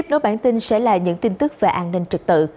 với những tin tức về an ninh trực tự